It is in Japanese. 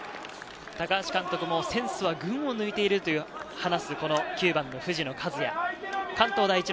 高橋監督もセンスは群を抜いているという話す、この９番の藤野和哉。